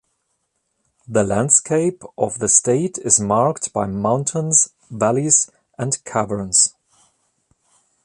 The landscape of the State is marked by mountains, valleys and caverns.